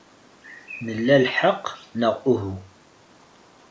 Nla lḥeqq, neɣ uhu?